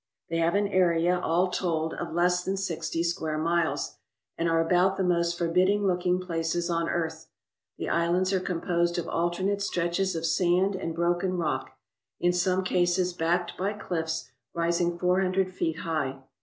They have an area, all told, of less than sixty square miles, and are about the most forbidding looking places on earth. The islands are composed of alternate stretches of sand and broken rock, in some cases backed by cliffs rising four hundred feet high.